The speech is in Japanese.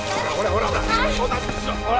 ほら。